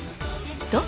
どう？